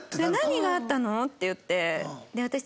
「何があったの？」って言って。